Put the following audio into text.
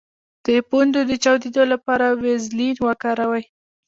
د پوندو د چاودیدو لپاره ویزلین وکاروئ